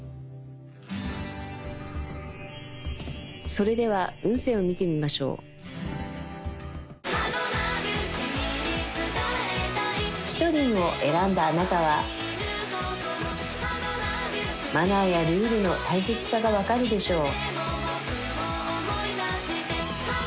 それでは運勢を見てみましょうシトリンを選んだあなたはマナーやルールの大切さが分かるでしょう